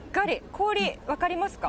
氷、分かりますか。